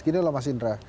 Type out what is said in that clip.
gini lho mas indra